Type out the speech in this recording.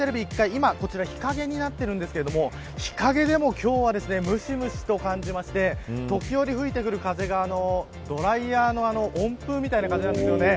今、日陰になっているんですが日陰でも今日はむしむしと感じまして時折吹いてくる風がドライヤーの温風みたいな風なんですよね。